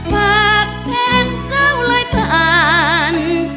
ปากแท้งเซ้าไล่ตาล